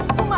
umar ya deh